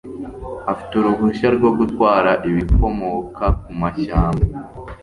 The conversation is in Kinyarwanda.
afite uruhushya rwo gutwara ibikomoka ku mashyamba